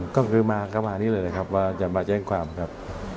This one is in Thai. ไม่ได้แจ้งก็คือมาก็มานี่เลยครับว่าจะมาแจ้งความครับ